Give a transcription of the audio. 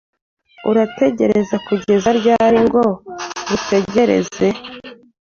Urategereje kugeza ryari ngo ngutegereze?